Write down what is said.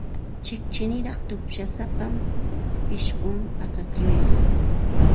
Chiqchiniraq tupshusapa pishqum akaklluqa.